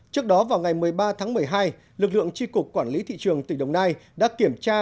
trước đó vào ngày một mươi ba tháng một mươi hai lực lượng tri cục quản lý thị trường tỉnh đồng nai đã kiểm tra